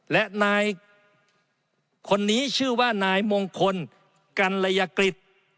และนายคนนี้ชื่อว่านายมงคลกัลยกฤษ